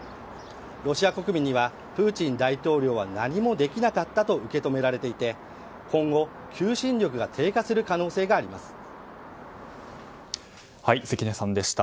ロシア国民にはプーチン大統領は何もできなかったと受け止められていて今後、求心力が低下する関根さんでした。